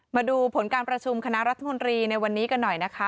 มาดูผลการประชุมคณะรัฐมนตรีในวันนี้กันหน่อยนะคะ